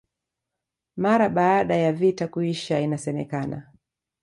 Mara baada ya vita kuisha inasemekana